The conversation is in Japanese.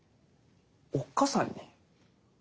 おっ母さんに？